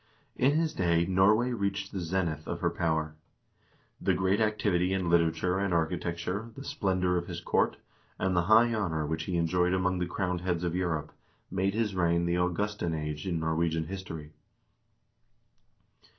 In his day Norway reached the zenith of her power. The great activity in literature and architec ture, the splendor of his court, and the high honor which he enjoyed among the crowned heads of Europe made his reign the Augustan Age in Norwegian history.